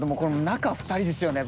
中２人ですよね